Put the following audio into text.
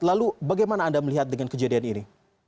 lalu bagaimana anda melihat dengan kejadian ini